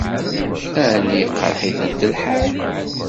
Ɛni iqṛeḥ-itent lḥal?